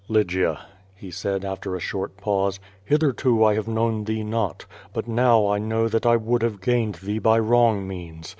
*'Lygia," he said, after a short pause, "Hitherto I have known thee not. But now I know that I would have gained thee by wrong means.